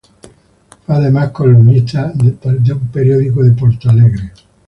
Fue, además, columnista de un periódico de Porto Alegre.